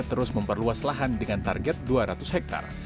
terus memperluas lahan dengan target dua ratus hektare